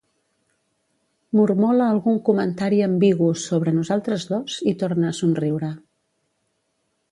Mormola algun comentari ambigu sobre nosaltres dos i torna a somriure.